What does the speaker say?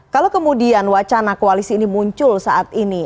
kalau kemudian wacana koalisi ini muncul saat ini